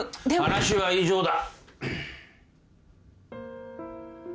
話は以上だ。